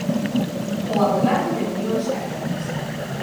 O avogado de Unións Agrarias